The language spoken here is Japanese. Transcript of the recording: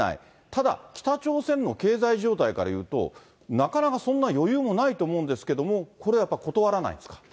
ただ、北朝鮮の経済状態からいうと、なかなかそんな余裕もないと思うんですけれども、これはやっぱり断らないですか？